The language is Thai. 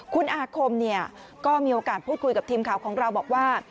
คุณอาคมก็มีโอกาสพูดคุยกับทีมข่าวของเราบอกว่า